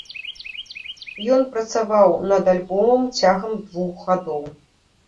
Ён працаваў над альбомам цягам двух гадоў.